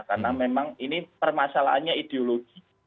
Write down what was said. karena memang ini permasalahannya ideologi